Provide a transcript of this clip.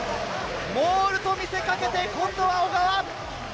モールと見せかけて今度は小川！